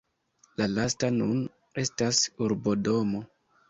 La lasta nun estas urbodomo.